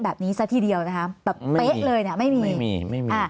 แบบนี้ซักทีเดียวนะครับแบบเป๊ะเลยเนี่ยไม่มี